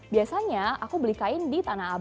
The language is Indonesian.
biasanya aku belikain di tanah